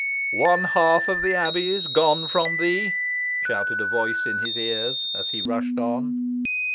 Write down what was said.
"One half the abbey is gone from thee," shouted a voice in his ears as he rushed on.